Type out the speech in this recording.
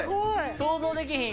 想像できひん